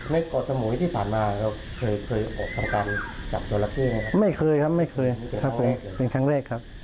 เกาะสมุยที่ผ่านมาเราเคยเคยออกทำการจับจราเข้ไหมไม่เคยครับไม่เคยครับเป็นครั้งแรกครับ